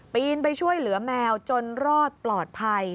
ปีนไปช่วยเหลือแมวจนรอดปลอดภัย